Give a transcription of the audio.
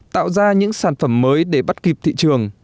tạo ra những sản phẩm mới để bắt kịp thị trường